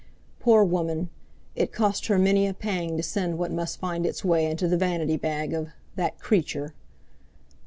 Poor woman!—it cost her many a pang to send what must find its way into the vanity bag of "that creature!"